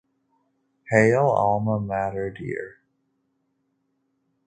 Hail, Alma Mater dear.